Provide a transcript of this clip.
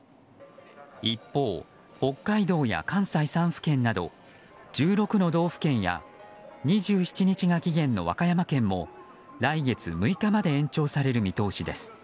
一方、北海道や関西３府県など１６の道府県や２７日が期限の和歌山県も来月６日まで延長される見通しです。